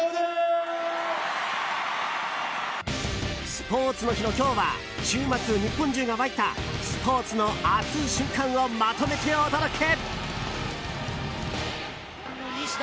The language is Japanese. スポーツの日の今日は週末、日本中が沸いたスポーツの熱い瞬間をまとめてお届け。